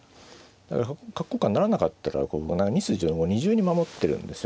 だから角交換ならなかったら２筋を二重に守ってるんですよ。